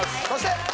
そして。